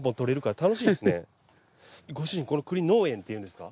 ご主人これ栗農園っていうんですか？